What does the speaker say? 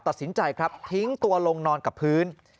ตัดสินใจครับทิ้งตัวลงนอนกับพื้น